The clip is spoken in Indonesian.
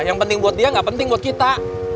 yang penting buat dia gak penting buat kita